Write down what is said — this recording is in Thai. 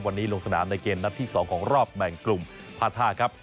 วันนี้ลงสนามในเกมนัดที่๒ของรอบแบ่งกลุ่มพาท่าครับ